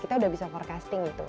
kita udah bisa forecasting itu